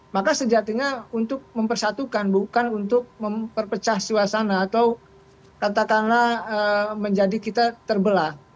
maka sejatinya untuk mempersatukan bukan untuk memperpecah suasana atau katakanlah menjadi kita terbelah